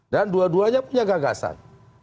dan dua duanya punya gagasan